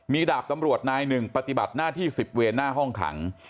มีดาบตำรวจนายหนึ่งปฏิบัติหน้าที่๑๐เวนหน้าห้องขัง